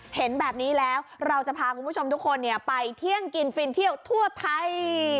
เห็นแบบนี้แล้วเราจะพาคุณผู้ชมทุกคนไปเที่ยงกินฟินเที่ยวทั่วไทย